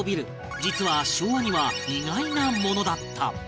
実は昭和には意外なものだった